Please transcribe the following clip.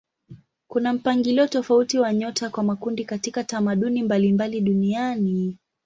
Kuna mpangilio tofauti wa nyota kwa makundi katika tamaduni mbalimbali duniani.